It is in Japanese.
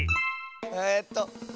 えっとえ